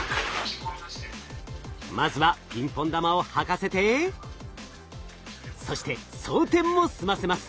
まずはピンポン玉をはかせてそして装填も済ませます。